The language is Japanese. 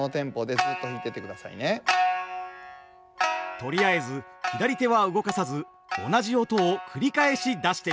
とりあえず左手は動かさず同じ音を繰り返し出してみます。